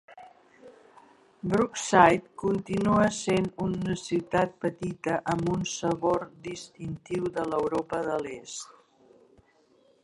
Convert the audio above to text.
Brookside continua sent una ciutat petita amb un sabor distintiu de l'Europa de l'Est.